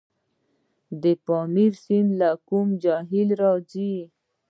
پامیر سیند له کوم جهیل راځي؟